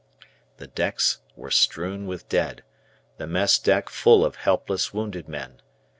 The decks were strewn with dead, the mess deck full of helpless wounded men.